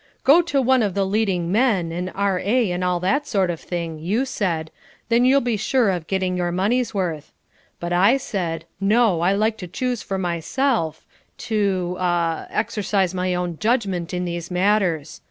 'Go to one of the leading men an R.A. and all that sort of thing,' you said, 'then you'll be sure of getting your money's worth.' But I said, 'No, I like to choose for myself; to ah exercise my own judgment in these matters.